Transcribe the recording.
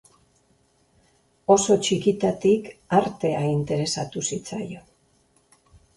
Oso txikitatik artea interesatu zitzaion.